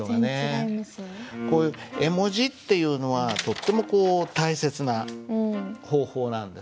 こういう絵文字っていうのはとっても大切な方法なんですね。